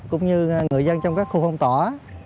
cũng như người dân trong các khu phong tỏa